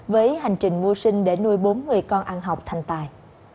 với hành trình mua sinh để nuôi bốn người con ăn học thành tài